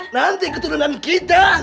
nanti keturunan kita